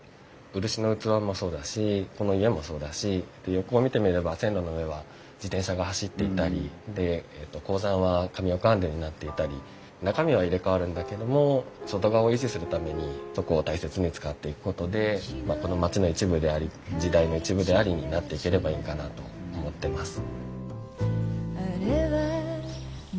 漆の器もそうだしこの家もそうだし横を見てみれば線路の上は自転車が走っていたりで鉱山はカミオカンデになっていたり中身は入れ代わるんだけども外側を維持するためにそこを大切に使っていくことでまあこの町の一部であり時代の一部でありになっていければいいんかなと思ってます。